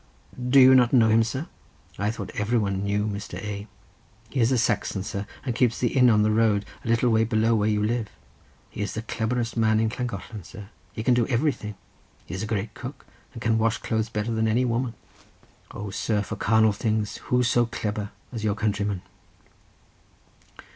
"Do you not know him, sir? I thought everybody knew Mr. A. He is a Saxon, sir, and keeps the inn on the road a little way below where you live. He is the clebberest man in Llangollen, sir. He can do everything. He is a great cook, and can wash clothes better than any woman. O, sir, for carnal things, who so clebber as your Countrymen!"